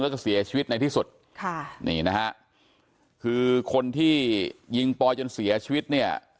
แล้วก็เสียชีวิตในที่สุดค่ะนี่นะฮะคือคนที่ยิงปอยจนเสียชีวิตเนี่ย